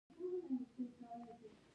دوی د اکاډمۍ له جوړېدو درې څلور کاله وروسته